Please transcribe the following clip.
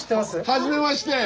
はじめまして。